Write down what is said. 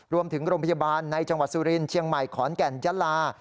โรงพยาบาลในจังหวัดสุรินทร์เชียงใหม่ขอนแก่นยะลา